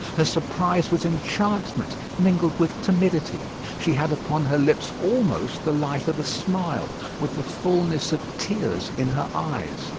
Her surprise was enchantment mingled with timidity. She had upon her lips almost the light of a smile, with the fulness of tears in her eyes.